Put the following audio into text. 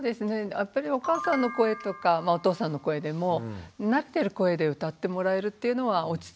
やっぱりお母さんの声とかまあお父さんの声でも慣れてる声で歌ってもらえるっていうのは落ち着きますし安心ですよね。